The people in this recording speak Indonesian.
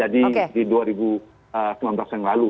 jadi di dua ribu sembilan belas yang lalu